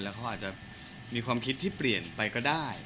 เขาอาจจะมีความคิดที่เปลี่ยนไปก็ได้